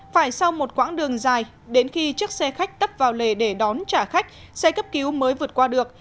phải sau một quãng đường dài đến khi chiếc xe khách tấp vào lề để đón trả khách xe cấp cứu mới vượt qua được